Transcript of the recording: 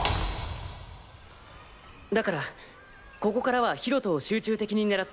だからここからは博人を集中的に狙って